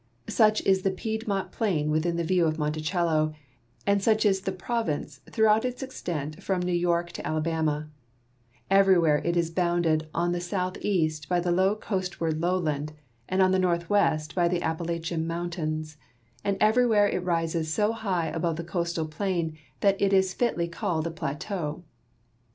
Such is the Piedmont plain within view of Monticello, and such is the province throughout its extent from New Y"ork to Alabama; everywhere it is bounded on the southeast by the coastward low land and on the northw'est by the Appalachian mountains, and everywhere it rises so high above the coastal plain that it is fitly called a plateau.